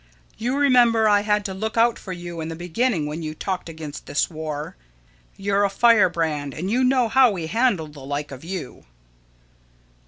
You remember I had to look out for you in the beginning when you talked against this war. You're a firebrand, and you know how we handle the like of you.